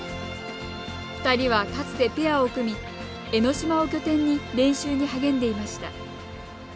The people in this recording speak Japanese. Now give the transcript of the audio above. ２人は、かつてペアを組み江の島を拠点に練習に励んでいました。